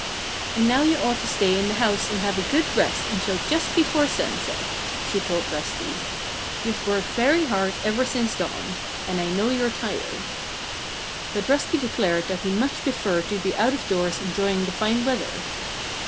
"And now you ought to stay in the house and have a good rest until just before sunset," she told Rusty. "You've worked very hard ever since dawn. And I know you're tired." But Rusty declared that he much preferred to be out of doors enjoying the fine weather.